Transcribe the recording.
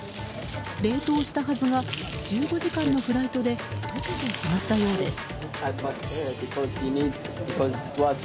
冷凍したはずが１５時間のフライトで解けてしまったようです。